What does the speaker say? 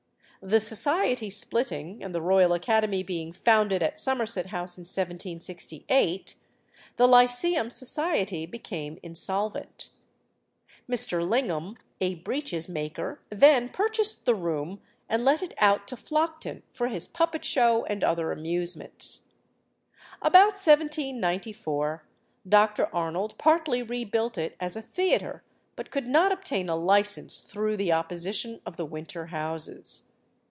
The society splitting, and the Royal Academy being founded at Somerset House in 1768, the Lyceum Society became insolvent. Mr. Lingham, a breeches maker, then purchased the room, and let it out to Flockton for his Puppet show and other amusements. About 1794 Dr. Arnold partly rebuilt it as a theatre, but could not obtain a licence through the opposition of the winter houses.